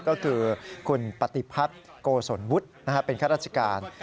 ก็คือคุณปฏิพัฒน์โกศลวุฒิเป็นข้าราชการ